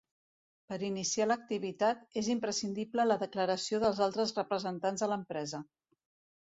Per iniciar l'activitat, és imprescindible la declaració dels altres representants de l'empresa.